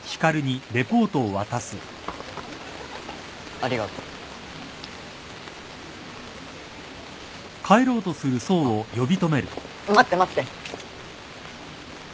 ありがとう。あっ待って待って。